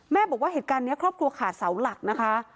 บอกว่าเหตุการณ์นี้ครอบครัวขาดเสาหลักนะคะ